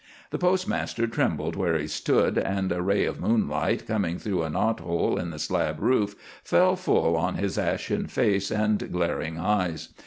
The postmaster trembled where he stood, and a ray of moonlight, coming through a knot hole in the slab roof, fell full on his ashen face and glaring eyes.